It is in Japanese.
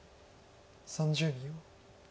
３０秒。